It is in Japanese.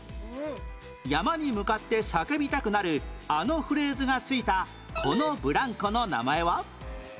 山に向かって叫びたくなるあのフレーズがついたこのブランコの名前は？